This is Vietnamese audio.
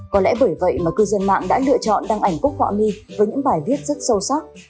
có lẽ bởi vậy mà cư dân mạng đã lựa chọn đăng ảnh cúc họa mi với những bài viết rất sâu sắc